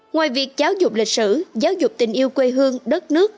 ngoài việc giáo dục lịch sử giáo dục tình yêu quê hương đất nước